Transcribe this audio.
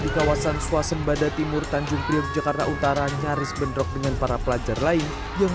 di kawasan suasembada timur tanjung priok jakarta utara nyaris bentrok dengan para pelajar lain yang